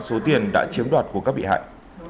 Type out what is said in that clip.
số tiền đã chiếm đoạt của các bị hại